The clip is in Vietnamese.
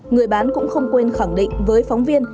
người bán cũng không quên khẳng định với phóng viên